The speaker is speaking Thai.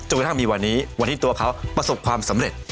กระทั่งมีวันนี้วันที่ตัวเขาประสบความสำเร็จ